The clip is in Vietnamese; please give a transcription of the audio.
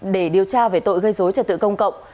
để điều tra về tội gây dối trật tự công cộng